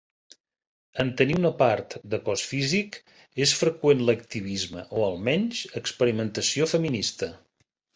En tenir una part de cos físic, és freqüent l'activisme o almenys experimentació feminista.